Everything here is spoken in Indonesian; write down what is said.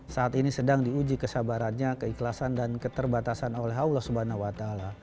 saat ini sedang diuji kesabarannya keikhlasan dan keterbatasan oleh allah swt